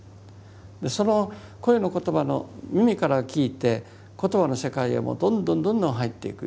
その声の言葉の耳から聞いて言葉の世界へもうどんどんどんどん入っていく。